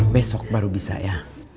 besok baru bisa ya